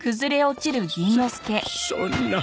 そそんな。